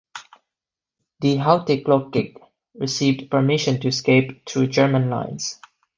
De Hauteclocque received permission to escape through German lines.